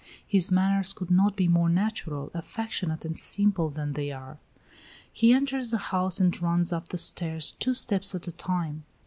His manners could not be more natural, affectionate, and simple than they are. He enters the house and runs up the stairs, two steps at a time.